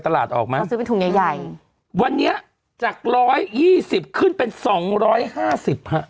ออกไหมเขาซื้อเป็นถุงใหญ่ใหญ่วันนี้จากร้อยยี่สิบขึ้นเป็นสองร้อยห้าสิบฮะ